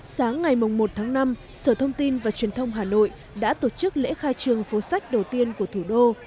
sáng ngày một tháng năm sở thông tin và truyền thông hà nội đã tổ chức lễ khai trường phố sách đầu tiên của thủ đô